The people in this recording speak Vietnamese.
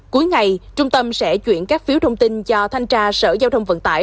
cuối ngày trung tâm sẽ chuyển các phiếu thông tin cho thanh tra sở giao thông vận tải